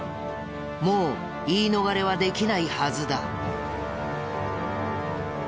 もう言い逃れはできないはずだ。